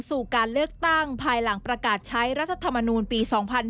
สู่การเลือกตั้งภายหลังประกาศใช้รัฐธรรมนูลปี๒๕๕๙